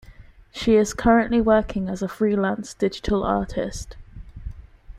She is currently working as a freelance digital artist.